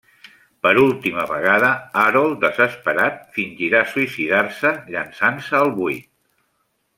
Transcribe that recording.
Per última vegada, Harold, desesperat, fingirà suïcidar-se llançant-se al buit.